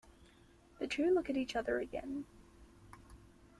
The two look at each other again.